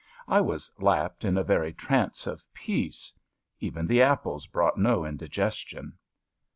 I was lapped in a very trance of peace. Even the apples brought no indigestion.